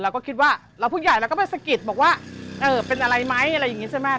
เราก็คิดว่าเราผู้ใหญ่เราก็ไปสะกิดบอกว่าเออเป็นอะไรไหมอะไรอย่างนี้ใช่ไหม